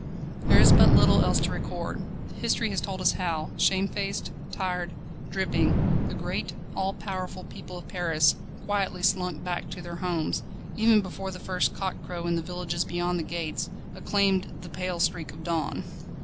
There is but little else to record. History has told us how, shamefaced, tired, dripping, the great, all powerful people of Paris quietly slunk back to their homes, even before the first cock crow in the villages beyond the gates, acclaimed the pale streak of dawn.